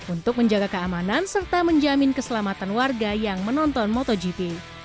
untuk menjaga keamanan serta menjamin keselamatan warga yang menonton motogp